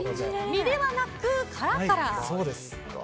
身ではなく、殻から。